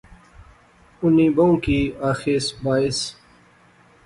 اُنی بہوں کی آخیس بائیس